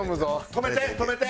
止めて止めて！